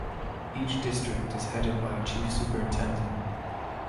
Each district is headed by a Chief Superintendent.